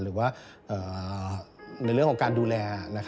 หรือว่าในเรื่องของการดูแล